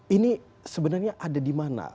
ini sebenarnya ada di mana